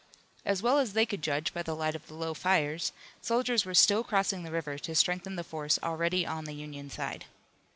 As well as they could judge by the light of the low fires, soldiers were still crossing the river to strengthen the force already on the Union side.